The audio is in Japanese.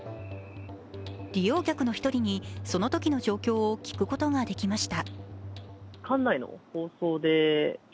利用客の１人にそのときの状況を聞くことができました。